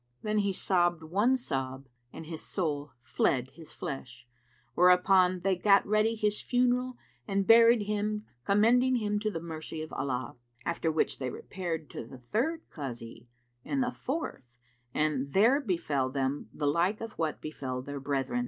Then he sobbed one sob and his soul fled his flesh; whereupon they gat ready his funeral and buried him commending him to the mercy of Allah; after which they repaired to the third Kazi and the fourth, and there befel them the like of what befel their brethren.